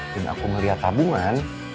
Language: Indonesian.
dan aku ngeliat tabungan